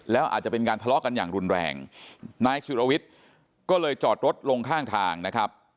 แล้วอาจจะเป็นการทะเลาะกันอย่างรุนแรงนายสุรวิทย์ก็เลยจอดรถลงข้างทางนะครับ